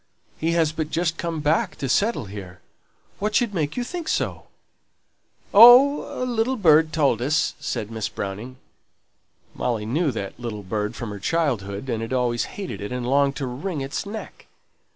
He has but just come back to settle here. What should make you think so?" "Oh! a little bird told us," said Miss Browning. Molly knew that little bird from her childhood, and had always hated it, and longed to wring its neck.